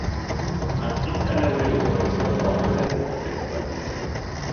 Nach Kriegsende wurde die Produktion fortgesetzt und expandiert.